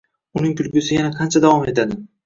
Uning kulgisi yana qancha davom etadi?